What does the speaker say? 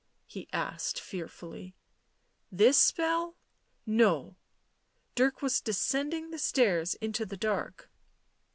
he asked fearfully. "This spell? No." Dirk was descending the sfhirs into the dark.